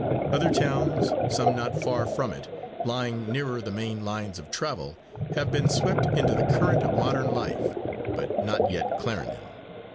Other towns, some not far from it, lying nearer the main lines of travel, have been swept into the current of modern life, but not yet Clarendon.